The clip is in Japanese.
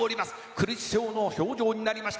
苦しそうな表情になりました